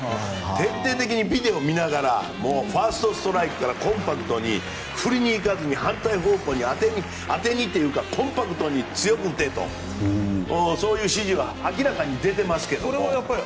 徹底的にビデオを見ながらファーストストライクからコンパクトに振りにいかずに反対方向に当てに行くというかコンパクトに強く打てとそういう指示は明らかに出ていますけど。